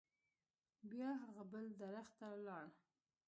بیا هغه بل درخت ته لاړ.